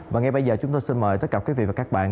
và ngay bây giờ chúng tôi xin mời tất cả quý vị và các bạn